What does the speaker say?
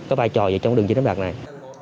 có vai trò gì trong đường chiếm đánh bạc này